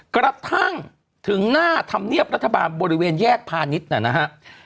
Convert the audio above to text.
กระทั่งถึงหน้าธรรมเนียบรัฐบาลบริเวณแยกพาณิชย์นะครับ